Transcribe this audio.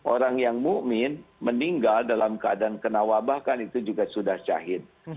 orang yang mu'min meninggal dalam keadaan kenawa bahkan itu juga sudah syahid